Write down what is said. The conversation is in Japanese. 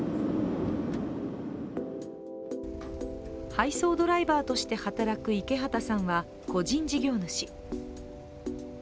配送ドライバーとして働く池畑さんは個人事業主。